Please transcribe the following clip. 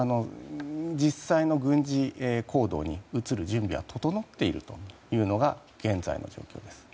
実際の軍事行動に移る準備は整っているというのが現在の状況です。